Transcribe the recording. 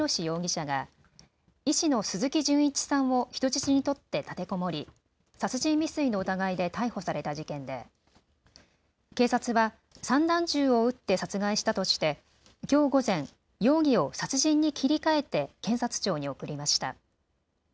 容疑者が医師の鈴木純一さんを人質に取って立てこもり殺人未遂の疑いで逮捕された事件で、警察は散弾銃を撃って殺害したとしてきょう午前、容疑を殺人に切り替えて検察庁に送りました。